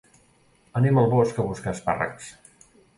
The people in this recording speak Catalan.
Anem al bosc a buscar espàrrecs